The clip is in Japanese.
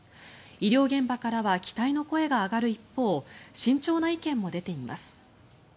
医療現場からは期待の声が上がる一方慎重な意見も出ています。